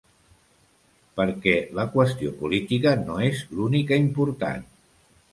Per què la qüestió política no és l’única important.